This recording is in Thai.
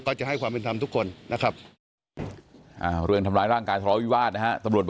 จะให้ความเป็นธรรมทุกคนนะครับ